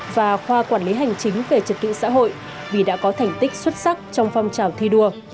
và khoa quản lý hành chính về trật tự xã hội vì đã có thành tích xuất sắc trong phong trào thi đua